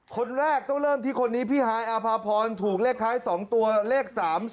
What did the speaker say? คนแรกต้องเริ่มที่คนนี้พี่ฮายอาภาพรถูกเลขท้าย๒ตัวเลข๓๒